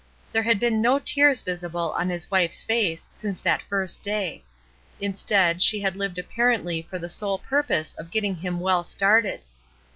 There had been no tears visible on his wife's face since that first day; instead, she had lived apparently for the sole purpose of getting him well started.